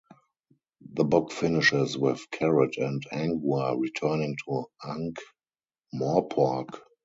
The book finishes with Carrot and Angua returning to Ankh-Morpork.